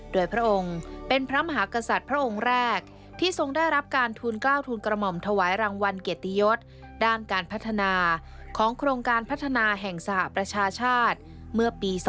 โดยพระองค์เป็นพระมหากษัตริย์พระองค์แรกที่ทรงได้รับการทูลกล้าวทูลกระหม่อมถวายรางวัลเกียรติยศด้านการพัฒนาของโครงการพัฒนาแห่งสหประชาชาติเมื่อปี๒๕๖